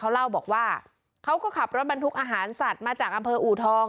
เขาเล่าบอกว่าเขาก็ขับรถบรรทุกอาหารสัตว์มาจากอำเภออูทอง